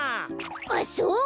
あっそうか！